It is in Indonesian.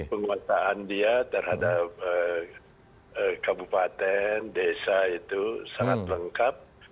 penguasaan dia terhadap kabupaten desa itu sangat lengkap